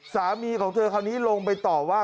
สามีของเธอคราวนี้ลงไปต่อว่า